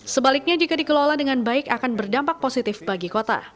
sebaliknya jika dikelola dengan baik akan berdampak positif bagi kota